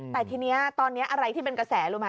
แต่ทีนี้ตอนนี้อะไรที่เป็นกระแสรู้ไหม